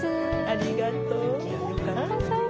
ありがとう。